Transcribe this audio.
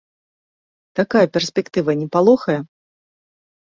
Такая перспектыва не палохае?